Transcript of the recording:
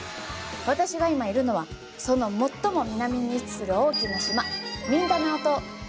私が今いるのはその最も南に位置する大きな島ミンダナオ島。